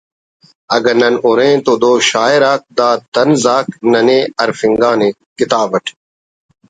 اگہ نن ارین تو دا شاعریک دا طنز آک ننے آ ہرفنگانے “ کتاب اٹ